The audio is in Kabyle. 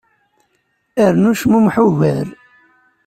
Rnu cmummeḥ ugar.